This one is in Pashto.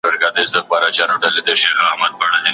ډاکټران د پاراسټامول محدود استعمال سپارښتنه کوي.